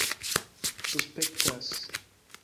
suspektas